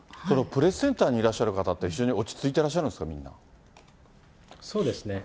プレスセンターにいらっしゃる方って非常に落ち着いてらっしそうですね。